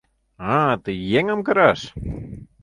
— А-а, тый еҥым кыраш?!